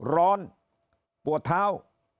ร้อนปวดเท้า